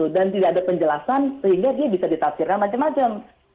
dan tidak ada penjelasan sehingga dia bisa ditafsirkan macam macam